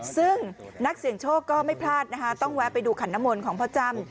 ซึ่งนักเสี่ยงโชคก็ไม่พลาดนะคะต้องแวะไปดูขันนมลของพ่อจ้ำ